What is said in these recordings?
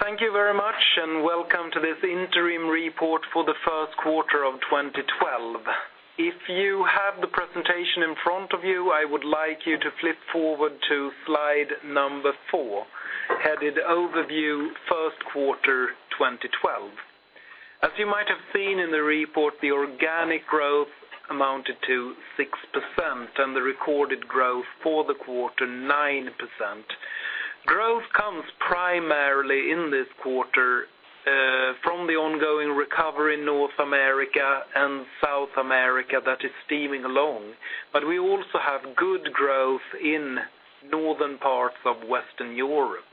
Thank you very much. Welcome to this interim report for the first quarter of 2012. If you have the presentation in front of you, I would like you to flip forward to slide number 4, headed Overview First Quarter 2012. As you might have seen in the report, the organic growth amounted to 6%, and the recorded growth for the quarter, 9%. Growth comes primarily in this quarter from the ongoing recovery in North America and South America that is steaming along. We also have good growth in northern parts of Western Europe.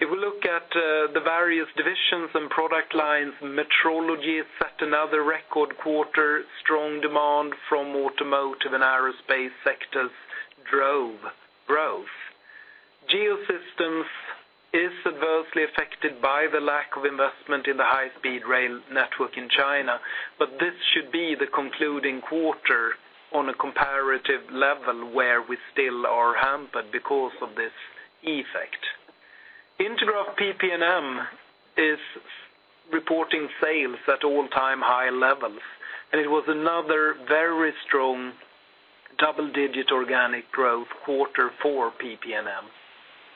If we look at the various divisions and product lines, Metrology set another record quarter, strong demand from automotive and aerospace sectors drove growth. Geosystems is adversely affected by the lack of investment in the high-speed rail network in China. This should be the concluding quarter on a comparative level where we still are hampered because of this effect. Intergraph PP&M is reporting sales at all-time high levels. It was another very strong double-digit organic growth quarter for PP&M.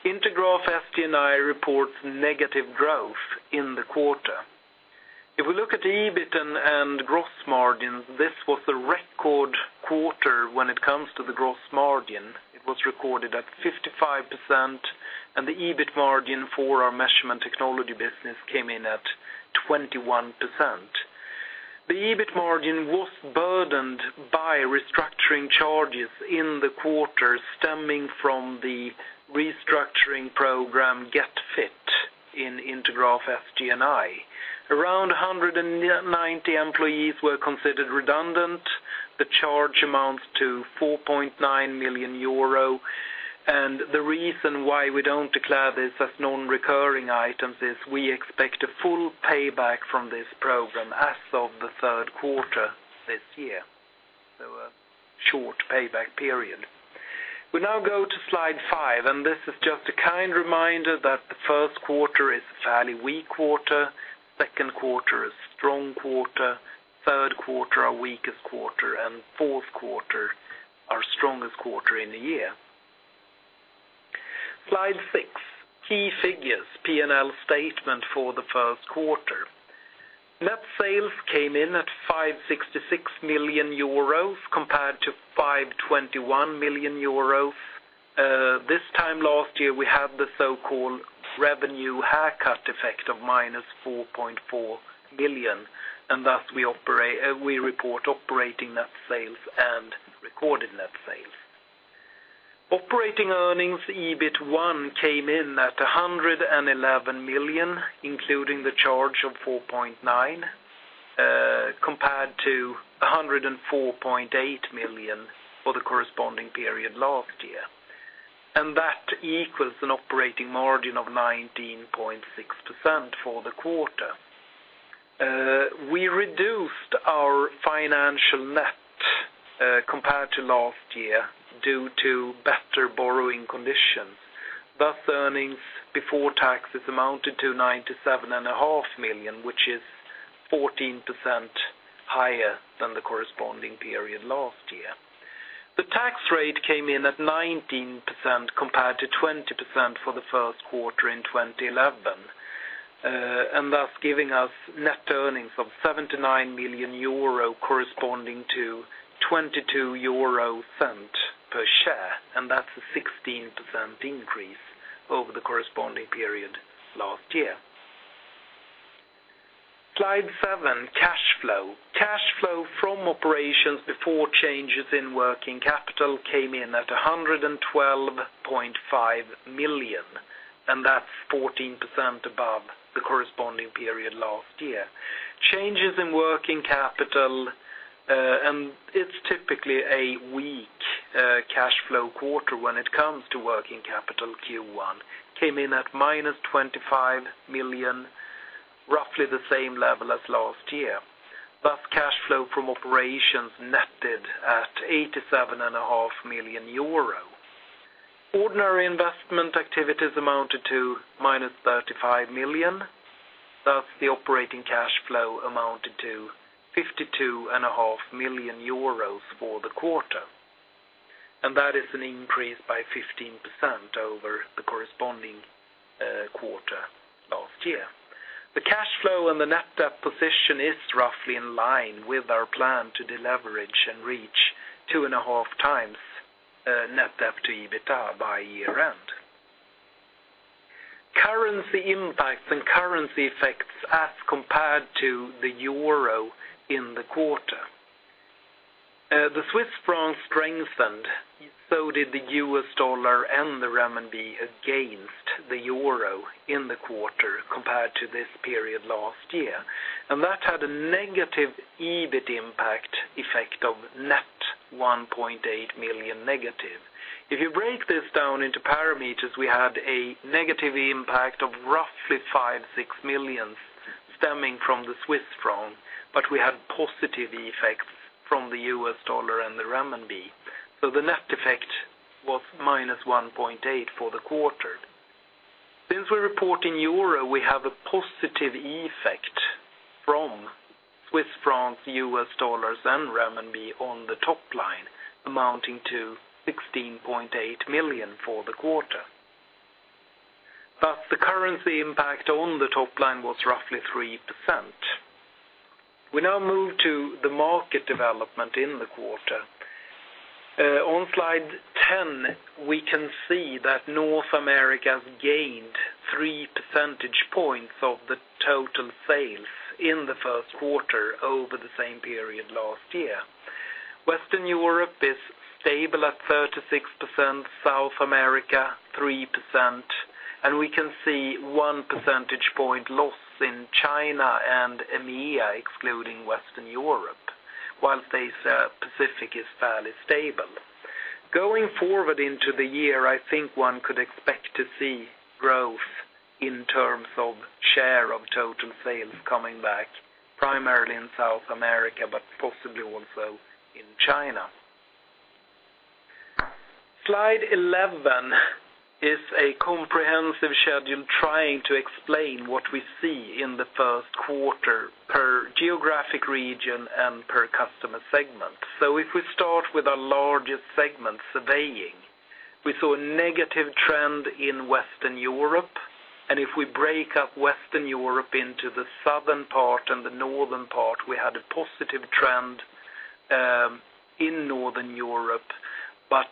Intergraph SG&I reports negative growth in the quarter. If we look at the EBIT and gross margins, this was a record quarter when it comes to the gross margin. It was recorded at 55%, and the EBIT margin for our measurement technology business came in at 21%. The EBIT margin was burdened by restructuring charges in the quarter stemming from the restructuring program Get Fit in Intergraph SG&I. Around 190 employees were considered redundant. The charge amounts to 4.9 million euro. The reason why we don't declare this as non-recurring items is we expect a full payback from this program as of the third quarter this year. A short payback period. We now go to slide five. This is just a kind reminder that the first quarter is a fairly weak quarter, second quarter is strong quarter, third quarter, our weakest quarter, and fourth quarter, our strongest quarter in a year. Slide six, key figures, P&L statement for the first quarter. Net sales came in at 566 million euros compared to 521 million euros. This time last year, we had the so-called revenue haircut effect of minus 4.4 million. Thus we report operating net sales and recorded net sales. Operating earnings, EBIT1, came in at 111 million, including the charge of 4.9 million, compared to 104.8 million for the corresponding period last year. That equals an operating margin of 19.6% for the quarter. We reduced our financial net compared to last year due to better borrowing conditions. Earnings before taxes amounted to 97.5 million, which is 14% higher than the corresponding period last year. The tax rate came in at 19% compared to 20% for the first quarter in 2011. Thus giving us net earnings of 79 million euro corresponding to 0.22 per share. That's a 16% increase over the corresponding period last year. Slide seven, cash flow. Cash flow from operations before changes in working capital came in at 112.5 million. That's 14% above the corresponding period last year. Changes in working capital, it's typically a weak cash flow quarter when it comes to working capital, Q1, came in at minus 25 million, roughly the same level as last year. Thus, cash flow from operations netted at 87.5 million euro. Ordinary investment activities amounted to minus 35 million. Thus, the operating cash flow amounted to 52.5 million euros for the quarter. That is an increase by 15% over the corresponding quarter last year. The cash flow and the net debt position is roughly in line with our plan to deleverage and reach 2.5 times net debt to EBITDA by year-end. Currency impacts and currency effects as compared to the EUR in the quarter. The Swiss franc strengthened, so did the U.S. dollar and the renminbi against the EUR in the quarter compared to this period last year. That had a negative EBIT impact effect of net 1.8 million negative. If you break this down into parameters, we had a negative impact of roughly EUR five, six million stemming from the Swiss franc, but we had positive effects from the U.S. dollar and the renminbi. The net effect was -1.8 for the quarter. Since we report in EUR, we have a positive effect from Swiss francs, U.S. dollars, and renminbi on the top line, amounting to 16.8 million for the quarter. The currency impact on the top line was roughly 3%. We now move to the market development in the quarter. On slide 10, we can see that North America has gained three percentage points of the total sales in the first quarter over the same period last year. Western Europe is stable at 36%, South America 3%, and we can see one percentage point loss in China and EMEA, excluding Western Europe, whilst Asia-Pacific is fairly stable. Going forward into the year, I think one could expect to see growth in terms of share of total sales coming back, primarily in South America, but possibly also in China. Slide 11 is a comprehensive schedule trying to explain what we see in the first quarter per geographic region and per customer segment. If we start with our largest segment, surveying, we saw a negative trend in Western Europe, and if we break up Western Europe into the southern part and the northern part, we had a positive trend in Northern Europe, but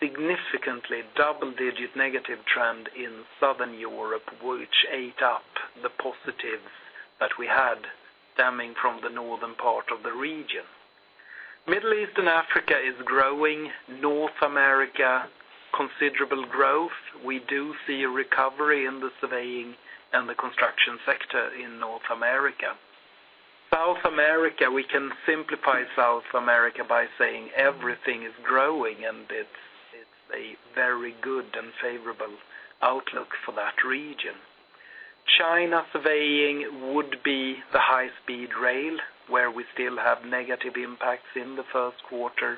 significantly double-digit negative trend in Southern Europe, which ate up the positives that we had stemming from the northern part of the region. Middle East and Africa is growing. North America, considerable growth. We do see a recovery in the surveying and the construction sector in North America. South America, we can simplify South America by saying everything is growing, and it's a very good and favorable outlook for that region. China surveying would be the high-speed rail, where we still have negative impacts in the first quarter,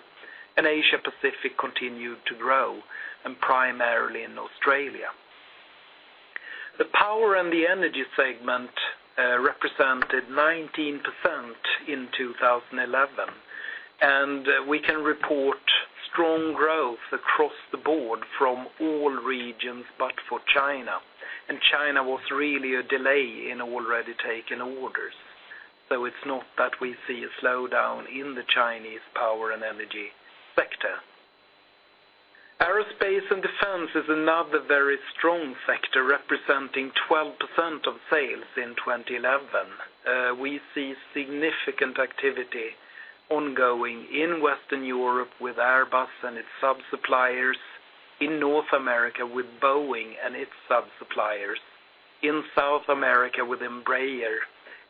and Asia-Pacific continued to grow, and primarily in Australia. The power and the energy segment represented 19% in 2011. We can report strong growth across the board from all regions but for China. China was really a delay in already taken orders. It's not that we see a slowdown in the Chinese power and energy sector. Aerospace and defense is another very strong sector, representing 12% of sales in 2011. We see significant activity ongoing in Western Europe with Airbus and its sub-suppliers, in North America with Boeing and its sub-suppliers, in South America with Embraer,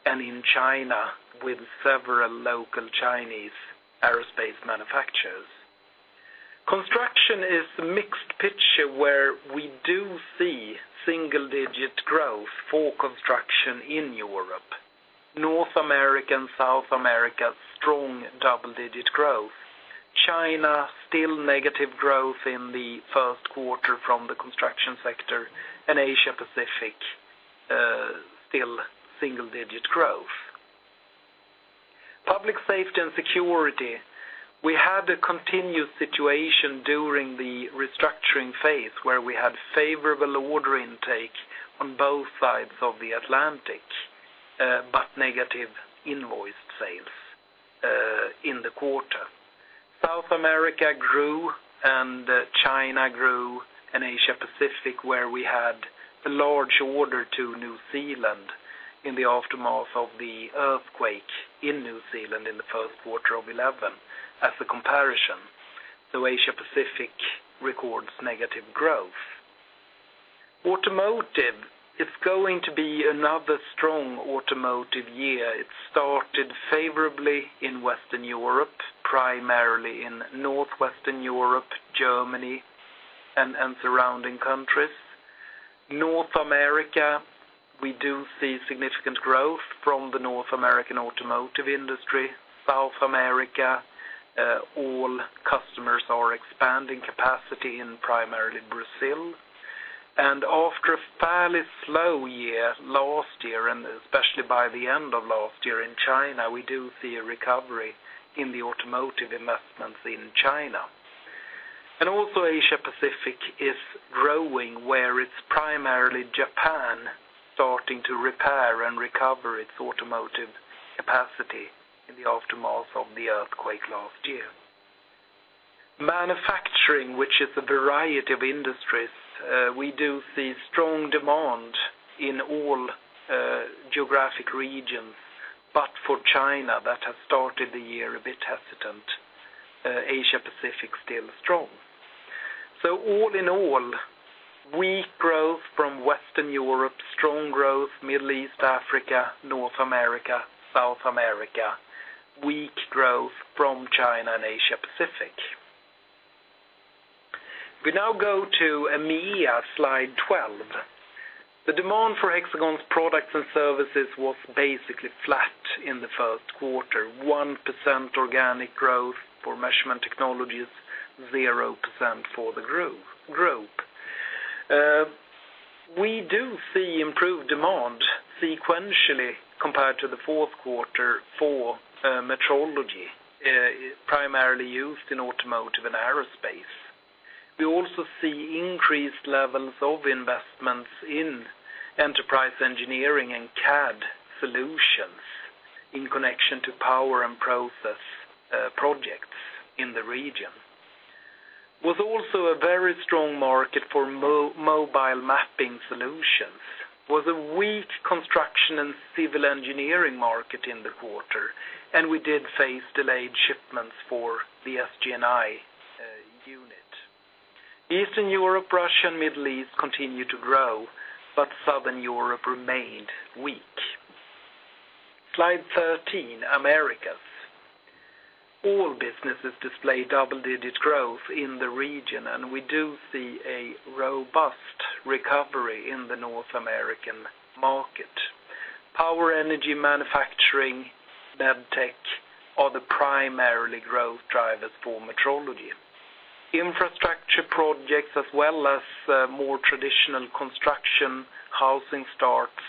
and in China with several local Chinese aerospace manufacturers. Construction is a mixed picture where we do see single-digit growth for construction in Europe. North America and South America, strong double-digit growth. China, still negative growth in the first quarter from the construction sector, and Asia-Pacific, still single-digit growth. Public safety and security. We had a continued situation during the restructuring phase where we had favorable order intake on both sides of the Atlantic, but negative invoice sales in the quarter. South America grew and China grew, and Asia-Pacific, where we had a large order to New Zealand in the aftermath of the earthquake in New Zealand in the first quarter of 2011 as a comparison. Asia-Pacific records negative growth. Automotive is going to be another strong automotive year. It started favorably in Western Europe, primarily in Northwestern Europe, Germany, and surrounding countries. North America, we do see significant growth from the North American automotive industry. South America, all customers are expanding capacity in primarily Brazil. After a fairly slow year last year, and especially by the end of last year in China, we do see a recovery in the automotive investments in China. Also Asia-Pacific is growing, where it's primarily Japan starting to repair and recover its automotive capacity in the aftermath of the earthquake last year. Manufacturing, which is a variety of industries, we do see strong demand in all geographic regions, but for China, that has started the year a bit hesitant. Asia-Pacific, still strong. All in all, weak growth from Western Europe, strong growth, Middle East, Africa, North America, South America, weak growth from China and Asia-Pacific. We now go to EMEA, slide 12. The demand for Hexagon's products and services was basically flat in the first quarter, 1% organic growth for measurement technologies, 0% for the group. We do see improved demand sequentially compared to the fourth quarter for metrology, primarily used in automotive and aerospace. We also see increased levels of investments in enterprise engineering and CAD solutions in connection to power and process projects in the region. Was also a very strong market for mobile mapping solutions, was a weak construction and civil engineering market in the quarter, and we did face delayed shipments for the SG&I unit. Eastern Europe, Russia, and Middle East continue to grow, but Southern Europe remained weak. Slide 13, Americas. All businesses display double-digit growth in the region, and we do see a robust recovery in the North American market. Power, energy manufacturing, med tech are the primary growth drivers for metrology. Infrastructure projects as well as more traditional construction housing starts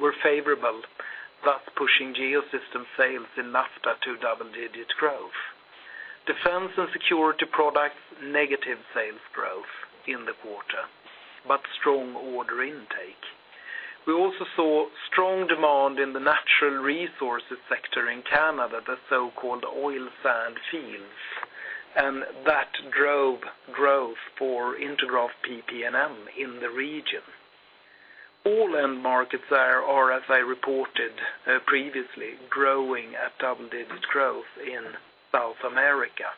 were favorable, thus pushing Geosystems sales in NAFTA to double-digit growth. Defense and security products, negative sales growth in the quarter, but strong order intake. We also saw strong demand in the natural resources sector in Canada, the so-called oil sand fields, and that drove growth for Intergraph PP&M in the region. All end markets there are, as I reported previously, growing at double-digit growth in South America.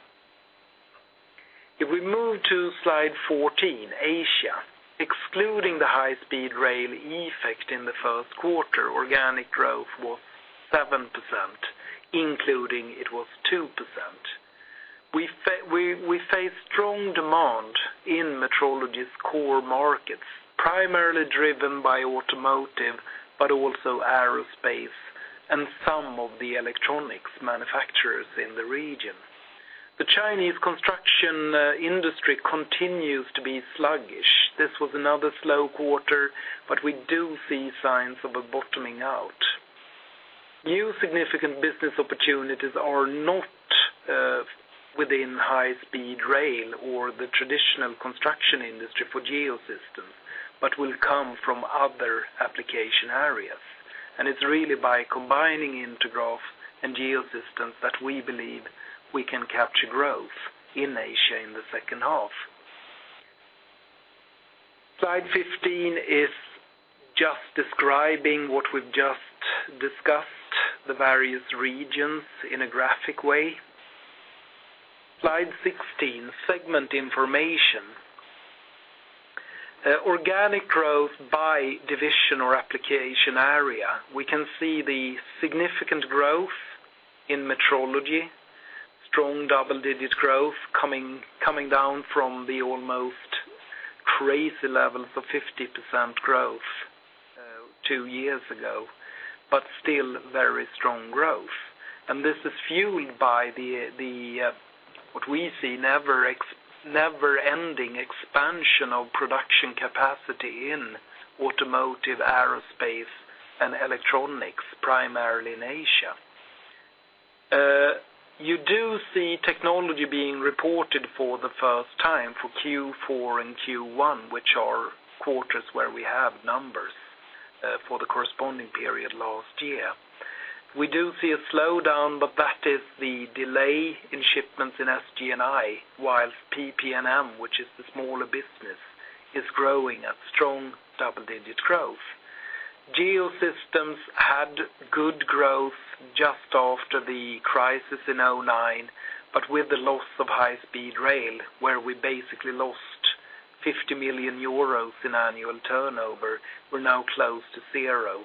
If we move to slide 14, Asia. Excluding the high-speed rail effect in the first quarter, organic growth was 7%, including it was 2%. We face strong demand in metrology's core markets, primarily driven by automotive, but also aerospace and some of the electronics manufacturers in the region. The Chinese construction industry continues to be sluggish. This was another slow quarter, but we do see signs of a bottoming out. New significant business opportunities are not within high-speed rail or the traditional construction industry for Geosystems, but will come from other application areas. It's really by combining Intergraph and Geosystems that we believe we can capture growth in Asia in the second half. Slide 15 is just describing what we've just discussed, the various regions in a graphic way. Slide 16, segment information. Organic growth by division or application area. We can see the significant growth in metrology, strong double-digit growth coming down from the almost crazy levels of 50% growth two years ago, but still very strong growth. This is fueled by the, what we see, never-ending expansion of production capacity in automotive, aerospace, and electronics, primarily in Asia. You do see technology being reported for the first time for Q4 and Q1, which are quarters where we have numbers for the corresponding period last year. We do see a slowdown, but that is the delay in shipments in SG&I, whilst PP&M, which is the smaller business, is growing at strong double-digit growth. Geosystems had good growth just after the crisis in 2009, but with the loss of high-speed rail, where we basically lost 50 million euros in annual turnover, we're now close to zero.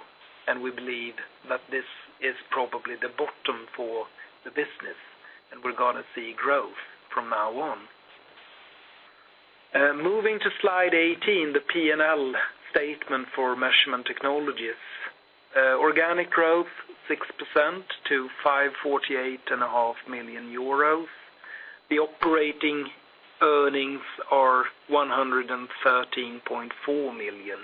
We believe that this is probably the bottom for the business, and we're going to see growth from now on. Moving to Slide 18, the P&L statement for measurement technologies. Organic growth 6% to 548.5 million euros. The operating earnings are 113.4 million,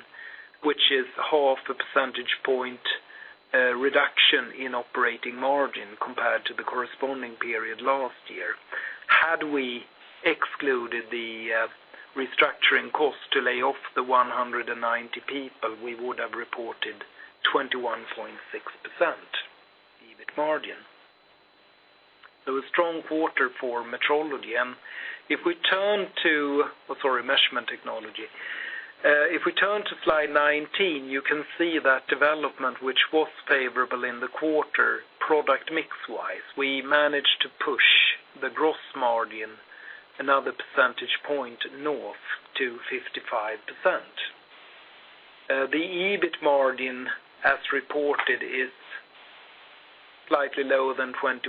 which is half a percentage point reduction in operating margin compared to the corresponding period last year. Had we excluded the restructuring cost to lay off the 190 people, we would have reported 21.6% EBIT margin. A strong quarter for metrology. If we turn to-- oh, sorry, measurement technology. If we turn to Slide 19, you can see that development which was favorable in the quarter, product mix-wise. We managed to push the gross margin another percentage point north to 55%. The EBIT margin, as reported, is slightly lower than 21%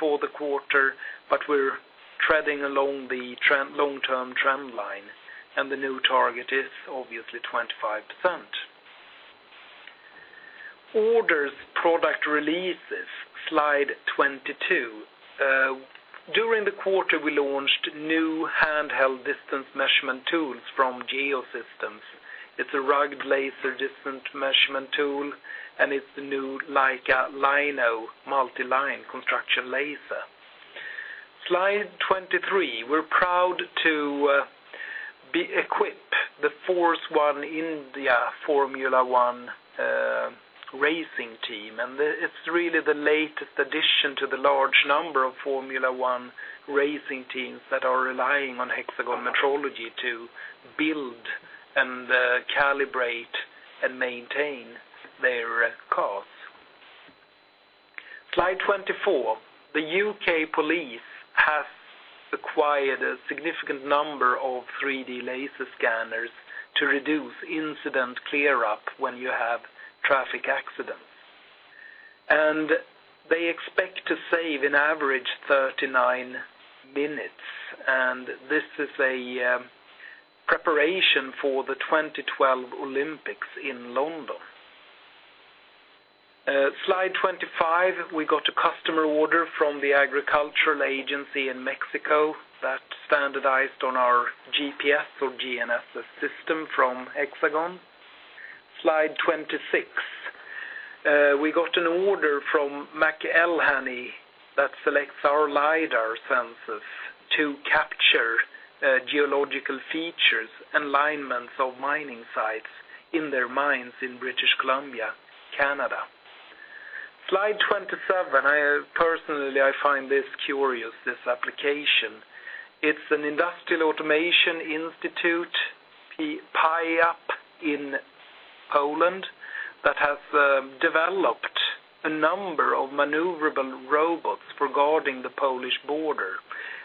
for the quarter, but we're treading along the long-term trend line, and the new target is obviously 25%. Orders, product releases, Slide 22. During the quarter, we launched new handheld distance measurement tools from Geosystems. It's a rugged laser distance measurement tool, and it's the new Leica Lino multi-line construction laser. Slide 23. We're proud to equip the Force India Formula One racing team, and it's really the latest addition to the large number of Formula One racing teams that are relying on Hexagon Metrology to build, calibrate, and maintain their cars. Slide 24. The U.K. police have acquired a significant number of 3D laser scanners to reduce incident clear-up when you have traffic accidents. They expect to save on average 39 minutes, and this is a preparation for the 2012 Olympics in London. Slide 25. We got a customer order from the Agricultural Agency in Mexico that standardized on our GPS or GNSS system from Hexagon. Slide 26. We got an order from McElhanney that selects our LIDAR sensors to capture geological features and alignments of mining sites in their mines in British Columbia, Canada. Slide 27. Personally, I find this curious, this application. It's an industrial automation institute, PIAP, in Poland that has developed a number of maneuverable robots for guarding the Polish border.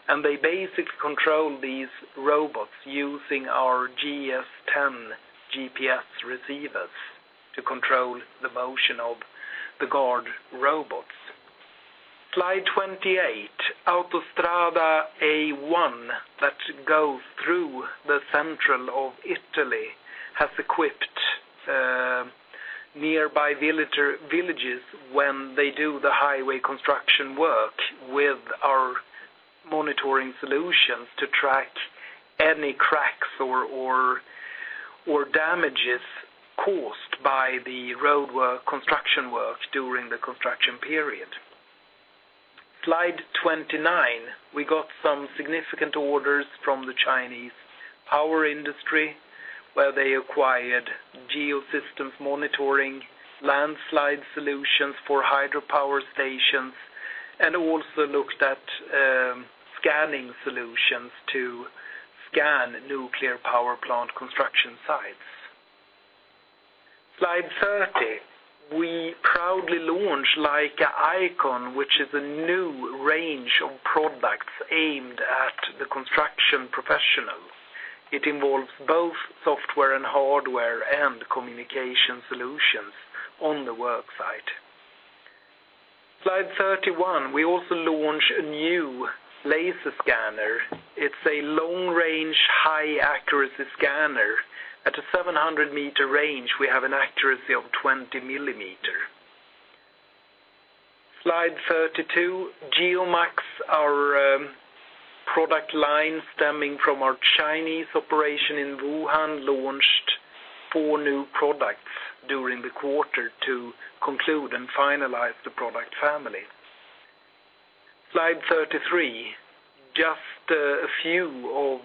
They basically control these robots using our GS10 GPS receivers to control the motion of the guard robots. Slide 28. Autostrada A1, that goes through the central of Italy, has equipped nearby villages when they do the highway construction work with our monitoring solutions to track any cracks or damages caused by the roadwork construction work during the construction period. Slide 29. We got some significant orders from the Chinese power industry, where they acquired Hexagon Geosystems monitoring, landslide solutions for hydropower stations, and also looked at scanning solutions to scan nuclear power plant construction sites. Slide 30, we proudly launched Leica iCON, which is a new range of products aimed at the construction professional. It involves both software and hardware and communication solutions on the work site. Slide 31, we also launched a new laser scanner. It's a long-range, high-accuracy scanner. At a 700-meter range, we have an accuracy of 20 mm. Slide 32, GeoMax, our product line stemming from our Chinese operation in Wuhan, launched four new products during the quarter to conclude and finalize the product family. Slide 33, just a few of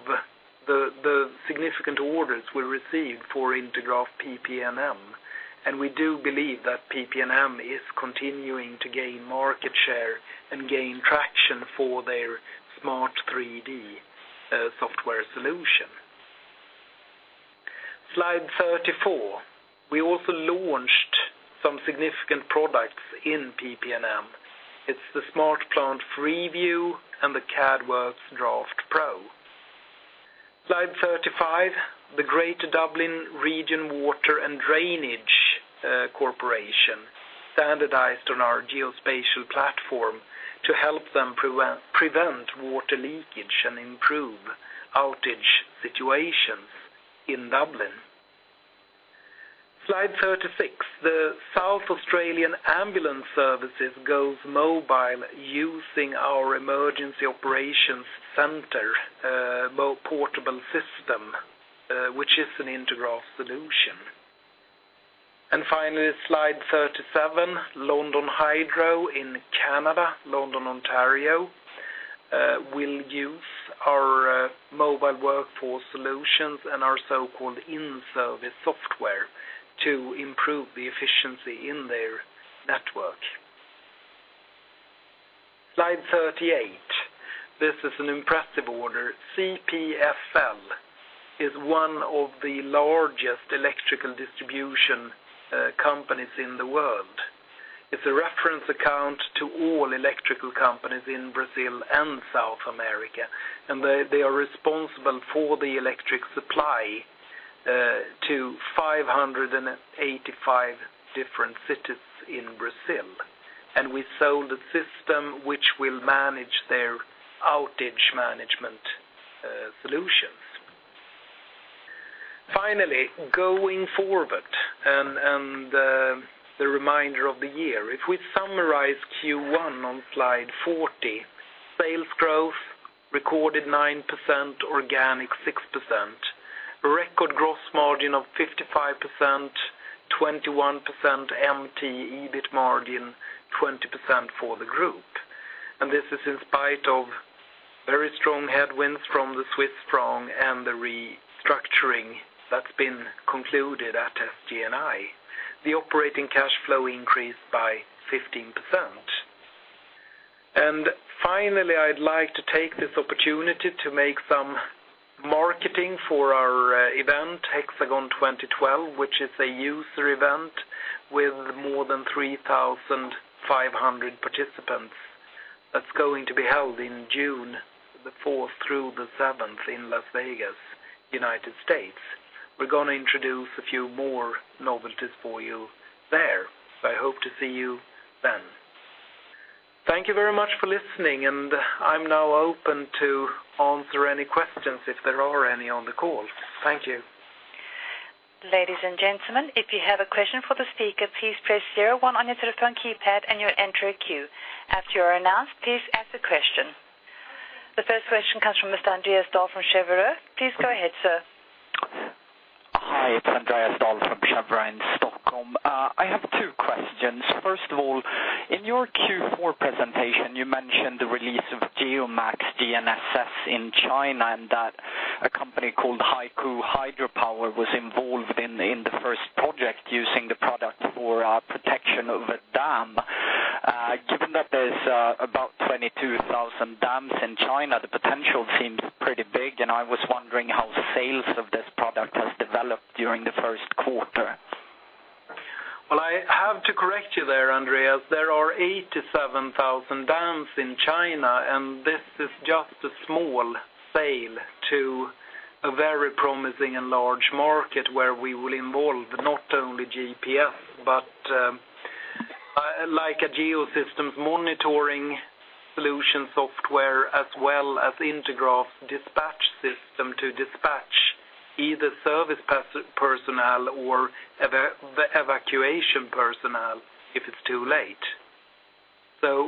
the significant orders we received for Intergraph PP&M, and we do believe that PP&M is continuing to gain market share and gain traction for their Smart 3D software solution. Slide 34. We also launched some significant products in PP&M. It's the SmartPlant Review and the CADWorx DraftPro. Slide 35. The Great Dublin Region Water and Drainage Corporation standardized on our Geospatial platform to help them prevent water leakage and improve outage situations in Dublin. Slide 36. The SA Ambulance Service goes mobile using our emergency operations center, portable system, which is an Intergraph solution. Finally, slide 37, London Hydro in Canada, London, Ontario, will use our mobile workforce solutions and our so-called in-service software to improve the efficiency in their network. Slide 38. This is an impressive order. CPFL is one of the largest electrical distribution companies in the world. It's a reference account to all electrical companies in Brazil and South America, and they are responsible for the electric supply to 585 different cities in Brazil, and we sold a system which will manage their outage management solutions. Finally, going forward and the reminder of the year. If we summarize Q1 on slide 40, sales growth recorded 9%, organic 6%, record gross margin of 55%, 21% MT EBIT margin, 20% for the group. This is in spite of very strong headwinds from the Swiss franc and the restructuring that's been concluded at SG&I. The operating cash flow increased by 15%. Finally, I'd like to take this opportunity to make some marketing for our event, Hexagon 2012, which is a user event with more than 3,500 participants. That's going to be held in June the 4th through the 7th in Las Vegas, U.S. We're going to introduce a few more novelties for you there. I hope to see you then. Thank you very much for listening, and I'm now open to answer any questions if there are any on the call. Thank you. Ladies and gentlemen, if you have a question for the speaker, please press 01 on your telephone keypad and you'll enter a queue. As you are announced, please ask the question. The first question comes from Mr. Andreas Dahl from Cheuvreux. Please go ahead, sir. Hi, it's Andreas Dahl from Cheuvreux in Stockholm. I have two questions. First of all, in your Q4 presentation, you mentioned the release of GeoMax GNSS in China, and that a company called Haiku Hydropower was involved in the first project using the product for protection of a dam. Given that there's about 22,000 dams in China, the potential seems pretty big, and I was wondering how sales of this product has developed during the first quarter. Well, I have to correct you there, Andreas. There are 87,000 dams in China. We will involve not only GPS, but like a Geosystems monitoring solution software as well as Intergraph dispatch system to dispatch either service personnel or the evacuation personnel if it's too late.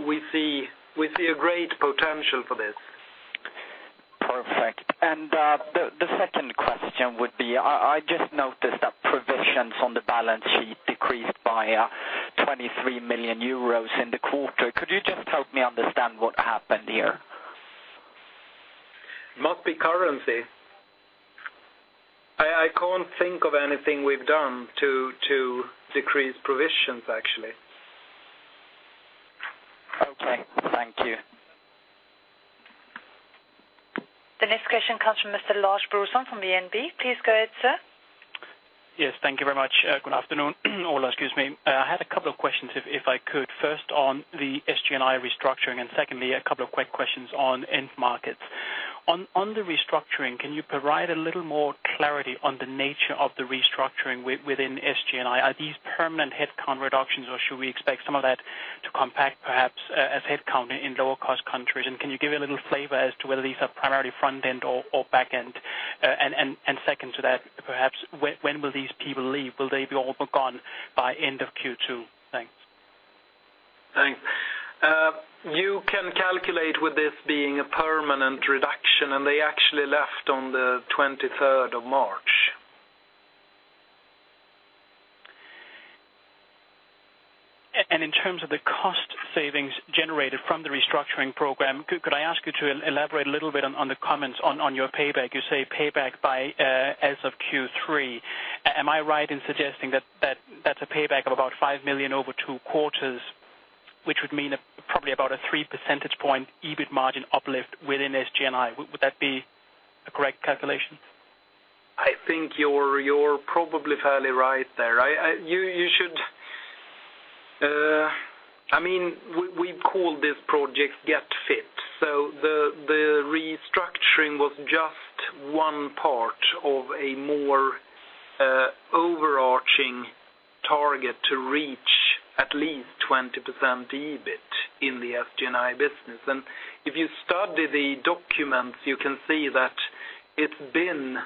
We see a great potential for this. Perfect. The second question would be, I just noticed that provisions on the balance sheet decreased by 23 million euros in the quarter. Could you just help me understand what happened here? Must be currency. I can't think of anything we've done to decrease provisions, actually. Okay. Thank you. The next question comes from Mr. Lars Brorson from DNB. Please go ahead, sir. Yes, thank you very much. Good afternoon, all. Excuse me. I had a couple of questions, if I could. First on the SG&I restructuring. Secondly, a couple of quick questions on end markets. On the restructuring, can you provide a little more clarity on the nature of the restructuring within SG&I? Are these permanent headcount reductions, or should we expect some of that to compact perhaps as headcount in lower cost countries? Can you give a little flavor as to whether these are primarily front end or back end? Second to that, perhaps when will these people leave? Will they be all but gone by end of Q2? Thanks. Thanks. You can calculate with this being a permanent reduction, they actually left on the 23rd of March. In terms of the cost savings generated from the restructuring program, could I ask you to elaborate a little bit on the comments on your payback? You say payback by as of Q3. Am I right in suggesting that that's a payback of about 5 million over two quarters, which would mean probably about a three percentage point EBIT margin uplift within SG&I? Would that be a correct calculation? I think you're probably fairly right there. We've called this project Get Fit, the restructuring was just one part of a more overarching target to reach at least 20% EBIT in the SG&I business. If you study the documents, you can see that it's been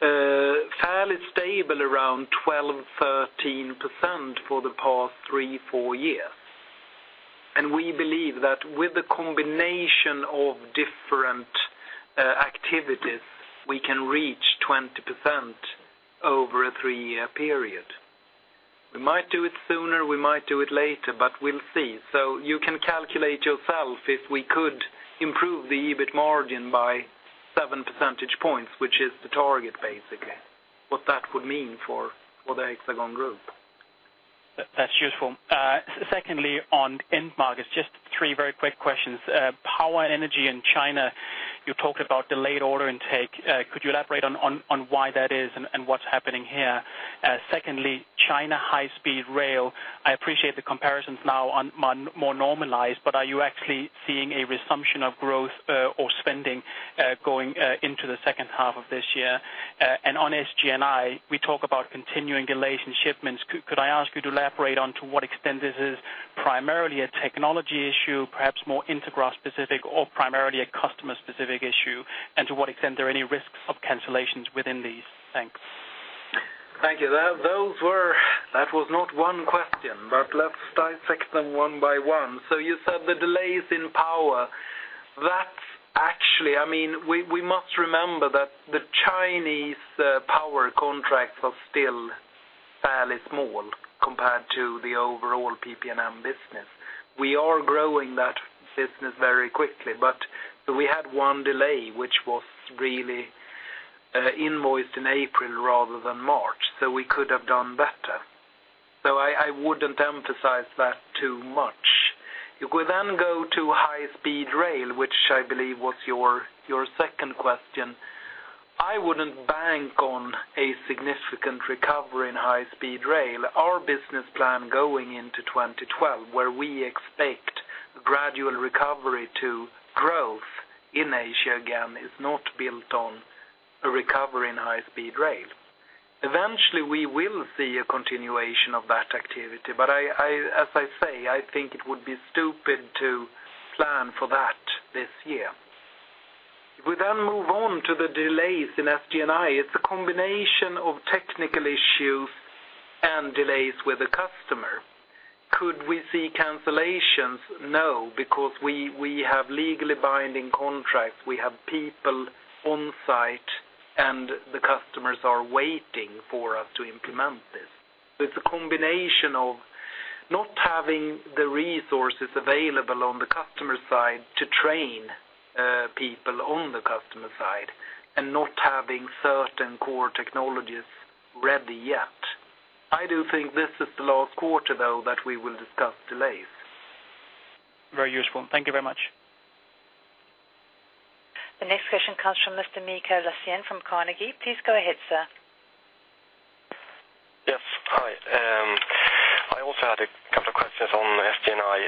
fairly stable around 12%, 13% for the past three, four years. We believe that with the combination of different activities, we can reach 20% over a three-year period. We might do it sooner, we might do it later, but we'll see. You can calculate yourself if we could improve the EBIT margin by seven percentage points, which is the target, basically, what that would mean for the Hexagon group. That's useful. Secondly, on end markets, just three very quick questions. Power energy in China, you talked about delayed order intake. Could you elaborate on why that is and what's happening here? Secondly, China high-speed rail. I appreciate the comparisons now are more normalized, but are you actually seeing a resumption of growth or spending going into the second half of this year? On SG&I, we talk about continuing delays in shipments. Could I ask you to elaborate on to what extent this is primarily a technology issue, perhaps more Intergraph specific or primarily a customer-specific issue? To what extent are there any risks of cancellations within these? Thanks. Thank you. That was not one question. Let's dissect them one by one. You said the delays in power. We must remember that the Chinese power contracts are still fairly small compared to the overall PP&M business. We are growing that business very quickly. We had one delay, which was really invoiced in April rather than March. We could have done better. I wouldn't emphasize that too much. If we go to high-speed rail, which I believe was your second question. I wouldn't bank on a significant recovery in high-speed rail. Our business plan going into 2012, where we expect gradual recovery to growth in Asia again, is not built on a recovery in high-speed rail. Eventually, we will see a continuation of that activity. As I say, I think it would be stupid to plan for that this year. If we move on to the delays in SG&I, it's a combination of technical issues and delays with the customer. Could we see cancellations? No, because we have legally binding contracts, we have people on-site, and the customers are waiting for us to implement this. It's a combination of not having the resources available on the customer side to train people on the customer side and not having certain core technologies ready yet. I do think this is the last quarter, though, that we will discuss delays. Very useful. Thank you very much. The next question comes from Mr. Mikael Laséen from Carnegie. Please go ahead, sir. Yes. Hi. I also had a couple of questions on SG&I.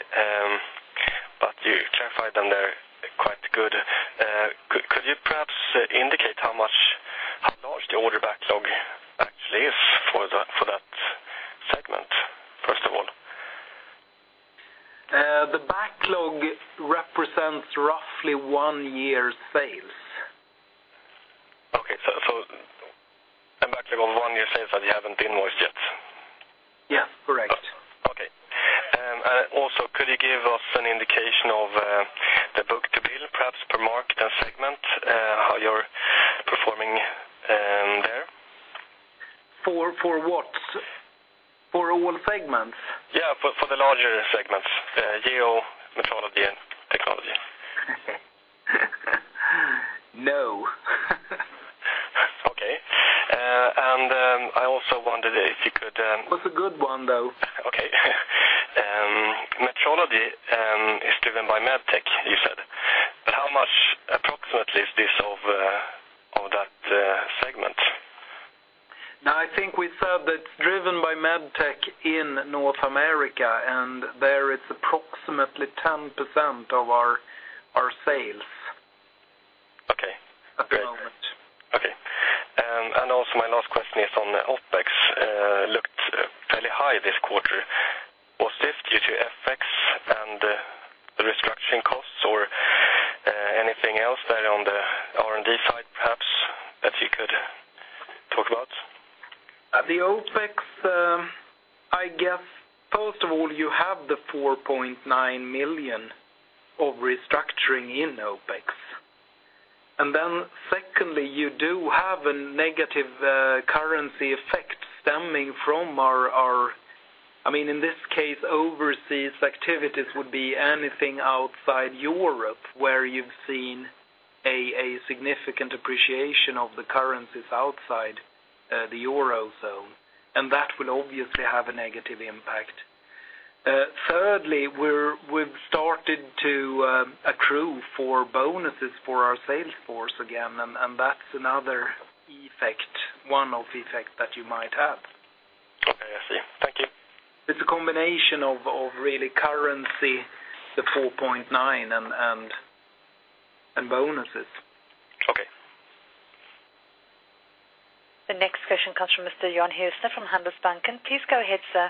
You clarified them there quite good. Could you perhaps indicate how large the order backlog actually is for that segment, first of all? The backlog represents roughly one year's sales. Okay. A backlog of one year's sales that you haven't invoiced yet? Yeah, correct. Okay. Could you give us an indication of the book to bill, perhaps per market and segment, how you're performing there? For what? For all segments? Yeah, for the larger segments, geo, Metrology, and technology. No. Okay. I also wondered if you could- It was a good one, though. Okay. Metrology is driven by MedTech, you said, but how much approximately is this of that segment? No, I think we said that it's driven by MedTech in North America, and there it's approximately 10% of our sales. Okay. At the moment. Okay. My last question is on the OpEx. Looked fairly high this quarter. Was this due to FX and the restructuring costs or anything else there on the R&D side, perhaps, that you could talk about? The OpEx, I guess, first of all, you have the 4.9 million of restructuring in OpEx. Secondly, you do have a negative currency effect stemming from our, in this case, overseas activities would be anything outside Europe, where you've seen a significant appreciation of the currencies outside the Eurozone, and that will obviously have a negative impact. Thirdly, we've started to accrue for bonuses for our sales force again, and that's another effect, one-off effect that you might have. Okay, I see. Thank you. It's a combination of really currency, the 4.9, and bonuses. Okay. The next question comes from Mr. Johan Huse from Handelsbanken. Please go ahead, sir.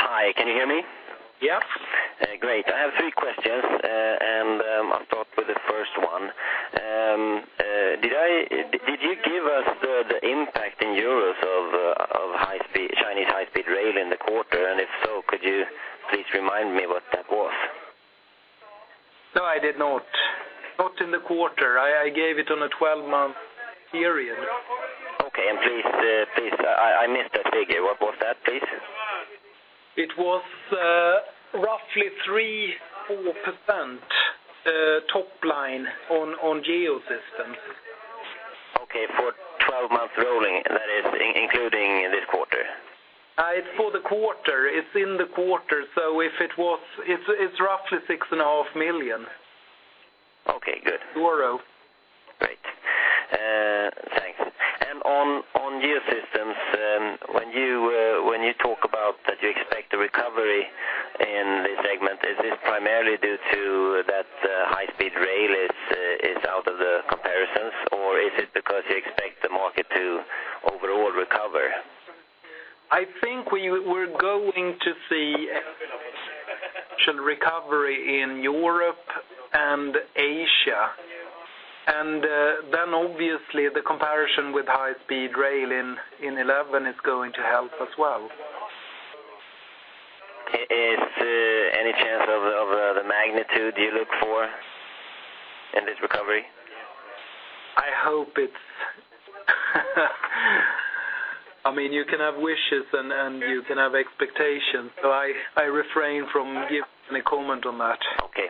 Hi, can you hear me? Yeah. Great. I have three questions, and I'll start with the first one. Did you give us the impact in euros of Chinese high-speed rail in the quarter? If so, could you please remind me what that was? No, I did not. Not in the quarter. I gave it on a 12-month period. Okay. Please, I missed that figure. What was that, please? It was roughly 3%-4% top line on Geosystems. Okay. For 12 months rolling, that is including this quarter? It's for the quarter. It's in the quarter. It's roughly six and a half million. Okay, good. Tomorrow. Great. Thanks. On Hexagon Geosystems, when you talk about that you expect a recovery in this segment, is this primarily due to that high-speed rail is out of the comparisons, or is it because you expect the market to overall recover? I think we're going to see actual recovery in Europe and Asia. Then obviously the comparison with high-speed rail in 2011 is going to help as well. Is there any chance of the magnitude you look for in this recovery? You can have wishes and you can have expectations, I refrain from giving any comment on that. Okay.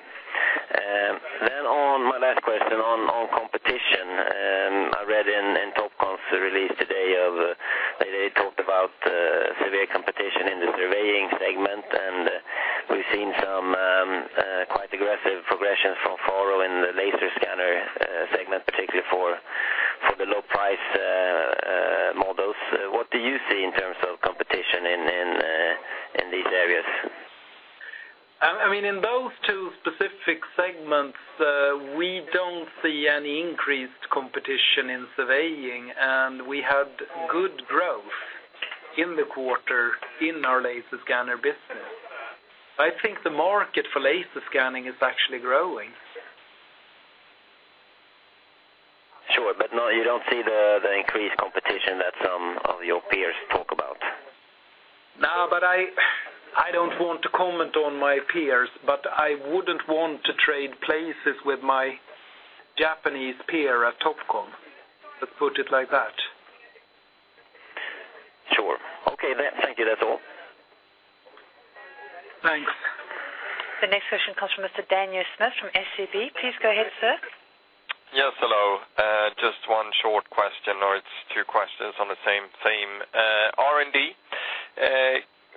My last question on competition, I read in Topcon's release today, they talked about severe competition in the surveying segment, we've seen some quite aggressive progressions from FARO in the laser scanner segment, particularly for the low-price models. What do you see in terms of competition in these areas? In those two specific segments, we do not see any increased competition in surveying, we had good growth in the quarter in our laser scanner business. I think the market for laser scanning is actually growing. Sure. No, you do not see the increased competition that some of your peers talk about? No, I don't want to comment on my peers, but I wouldn't want to trade places with my Japanese peer at Topcon. Let's put it like that. Sure. Okay, thank you. That's all. Thanks. The next question comes from Mr. Daniel Schmidt from SEB. Please go ahead, sir. Yes, hello. Just one short question, or it's two questions on the same theme. R&D.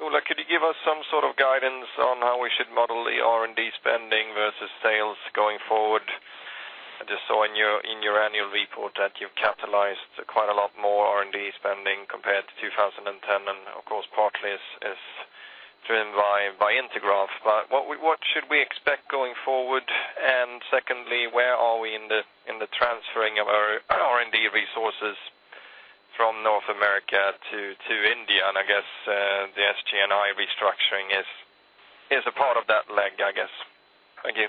Ola, could you give us some sort of guidance on how we should model the R&D spending versus sales going forward? I just saw in your annual report that you've capitalized quite a lot more R&D spending compared to 2010, and of course, partly is driven by Intergraph. What should we expect going forward? Secondly, where are we in the transferring of our R&D resources from North America to India? I guess, the SG&I restructuring is a part of that leg, I guess. Thank you.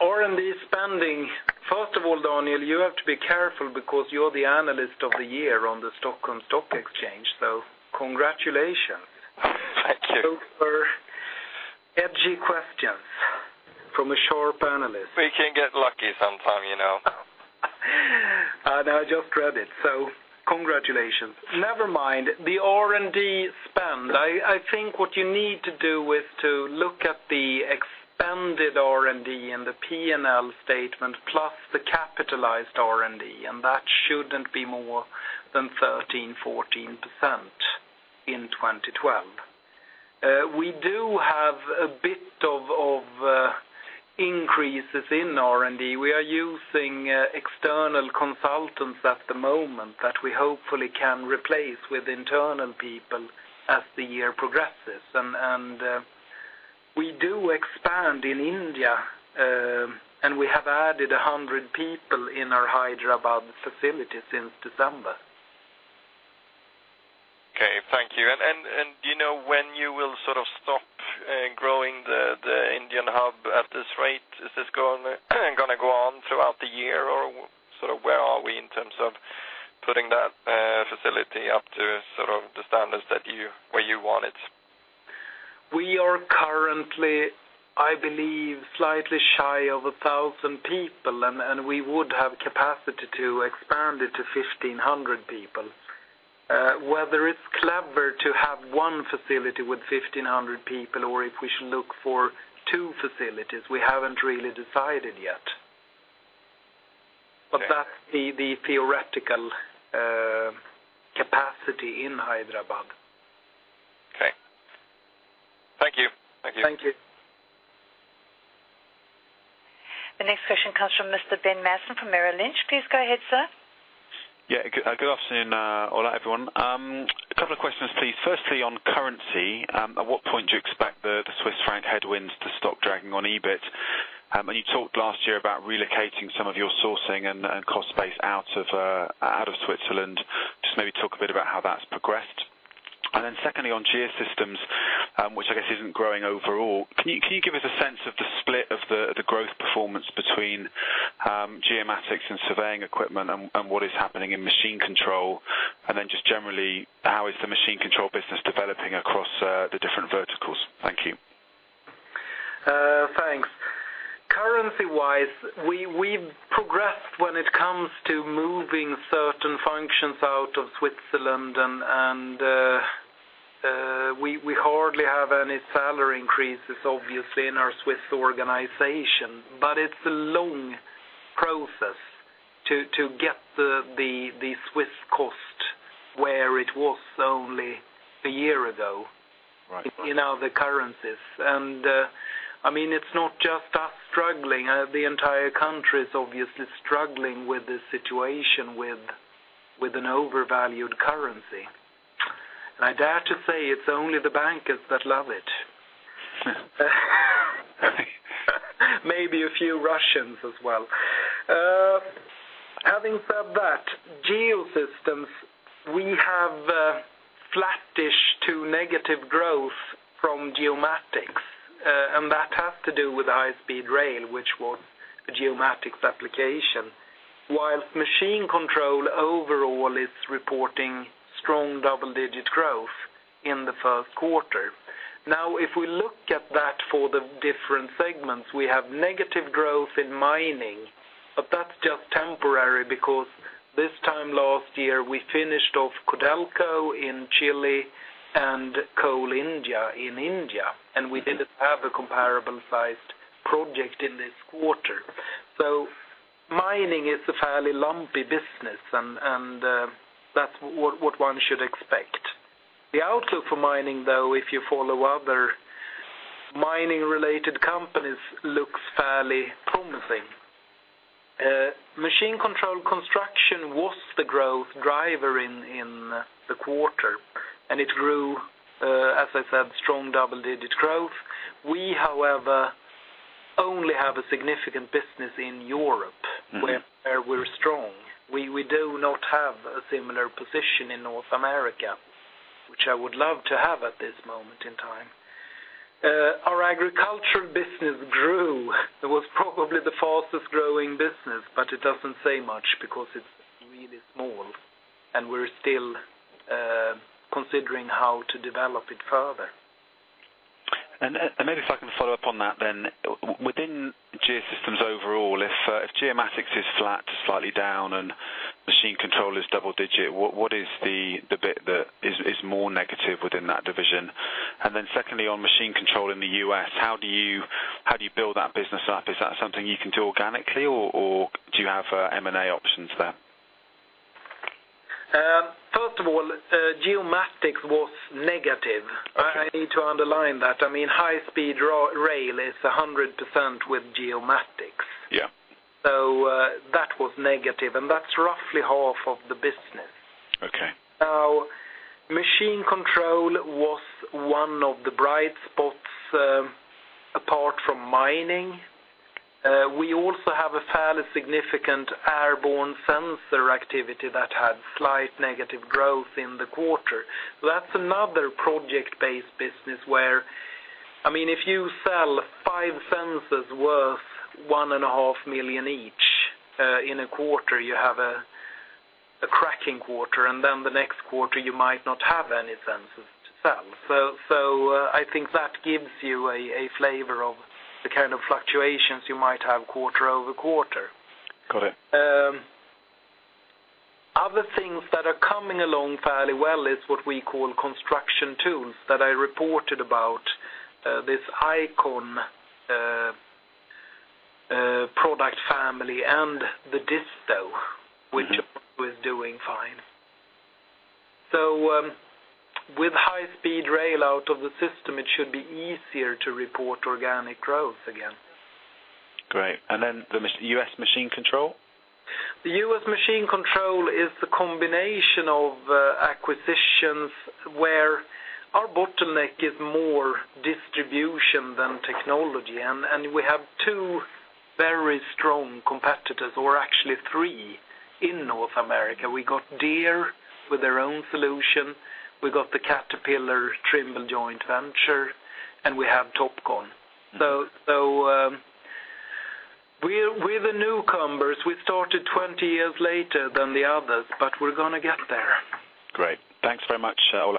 R&D spending. First of all, Daniel, you have to be careful because you're the analyst of the year on the Nasdaq Stockholm, congratulations. Thank you. Those were edgy questions from a sharp analyst. We can get lucky sometime, you know. I just read it. Congratulations. Never mind. The R&D spend. I think what you need to do is to look at the expended R&D in the P&L statement, plus the capitalized R&D. That shouldn't be more than 13%-14% in 2012. We do have a bit of increases in R&D. We are using external consultants at the moment that we hopefully can replace with internal people as the year progresses. We do expand in India. We have added 100 people in our Hyderabad facility since December. Okay, thank you. Do you know when you will stop growing the Indian hub at this rate? Is this going to go on throughout the year, or where are we in terms of putting that facility up to the standards where you want it? We are currently, I believe, slightly shy of 1,000 people. We would have capacity to expand it to 1,500 people. Whether it's clever to have one facility with 1,500 people, or if we should look for two facilities, we haven't really decided yet. Okay. That's the theoretical capacity in Hyderabad. Okay. Thank you. Thank you. The next question comes from Mr. Ben Maslen from Merrill Lynch. Please go ahead, sir. Good afternoon, Ola, everyone. A couple of questions, please. Firstly, on currency, at what point do you expect the Swiss franc headwind to stop dragging on EBIT? You talked last year about relocating some of your sourcing and cost base out of Switzerland. Just maybe talk a bit about how that's progressed. Secondly, on Geosystems, which I guess isn't growing overall, can you give us a sense of the split of the growth performance between geomatics and surveying equipment, and what is happening in machine control? Just generally, how is the machine control business developing across the different verticals? Thank you. Thanks. Currency-wise, we progressed when it comes to moving certain functions out of Switzerland. We hardly have any salary increases, obviously, in our Swiss organization. It's a long process to get the Swiss cost where it was only a year ago. Right in other currencies. It's not just us struggling. The entire country is obviously struggling with this situation, with an overvalued currency. I dare to say it's only the bankers that love it. Maybe a few Russians as well. Having said that, Hexagon Geosystems, we have flattish to negative growth from Geomatics. That has to do with the high-speed rail, which was a Geomatics application. Whilst machine control overall is reporting strong double-digit growth in the first quarter. Now, if we look at that for the different segments, we have negative growth in mining, that's just temporary because this time last year, we finished off Codelco in Chile and Coal India in India. We didn't have a comparable-sized project in this quarter. Mining is a fairly lumpy business, that's what one should expect. The outlook for mining, though, if you follow other mining-related companies, looks fairly promising. Machine control construction was the growth driver in the quarter, and it grew, as I said, strong double-digit growth. We, however, only have a significant business in Europe. where we're strong. We do not have a similar position in North America, which I would love to have at this moment in time. Our agriculture business grew. It was probably the fastest growing business, it doesn't say much because it's really small. We're still considering how to develop it further. Maybe if I can follow up on that. Within Hexagon Geosystems overall, if Geomatics is flat to slightly down and machine control is double-digit, what is the bit that is more negative within that division? Secondly, on machine control in the U.S., how do you build that business up? Is that something you can do organically, or do you have M&A options there? First of all, Geomatics was negative. Okay. I need to underline that. High-speed rail is 100% with Geomatics. Yeah. That was negative, and that's roughly half of the business. Okay. machine control was one of the bright spots apart from mining. We also have a fairly significant airborne sensor activity that had slight negative growth in the quarter. That's another project-based business where, if you sell five sensors worth one and a half million each in a quarter, you have a cracking quarter, and then the next quarter you might not have any sensors to sell. I think that gives you a flavor of the kind of fluctuations you might have quarter-over-quarter. Got it. Other things that are coming along fairly well is what we call construction tools that I reported about, this iCON product family and the DISTO. Which was doing fine. With high-speed rail out of the system, it should be easier to report organic growth again. Great. Then the U.S. machine control? The U.S. machine control is a combination of acquisitions where our bottleneck is more distribution than technology, we have two very strong competitors, or actually three in North America. We got Deere with their own solution. We got the Caterpillar Trimble joint venture, we have Topcon. We're the newcomers. We started 20 years later than the others, we're going to get there. Great. Thanks very much, Ola.